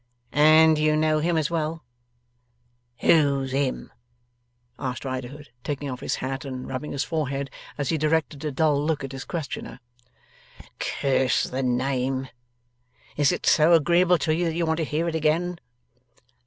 'And you know him as well?' 'Who's him?' asked Riderhood, taking off his hat and rubbing his forehead, as he directed a dull look at his questioner. 'Curse the name! Is it so agreeable to you that you want to hear it again?